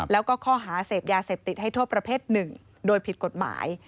แล้วก็ข้อหาเสพยาเสพติดให้โทษประเภทหนึ่งโดยผิดกฎหมาย